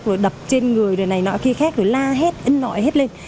rồi đập trên người rồi này nọ kia khác rồi la hết in nọi hết lên